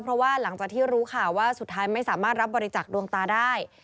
เพราะว่าหลังจากที่รู้ข่าวว่าสุดท้ายไม่สามารถรับบริจักษ์ดวงตาได้